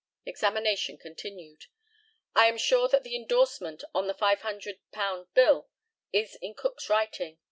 ] Examination continued: I am sure that the endorsement on the £500 bill is in Cook's writing.